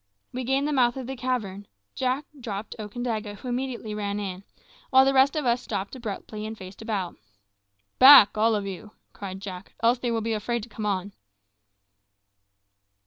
We gained the mouth of the cavern; Jack dropped Okandaga, who immediately ran in, while the rest of us stopped abruptly and faced about. "Back, all of you," cried Jack, "else they will be afraid to come on."